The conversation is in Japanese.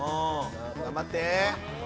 頑張って。